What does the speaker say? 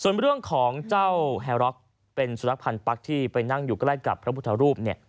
ส่วนบริเวณเรื่องของเจ้าแฮรอคเป็นสุรรักษ์พรรณปรักษ์ที่ไปนั่งอยู่ใกล้กับพระบุรุธรูป